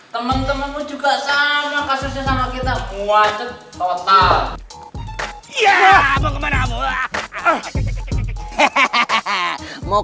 temen temen juga sama kasih sesama kita buatnya abandoned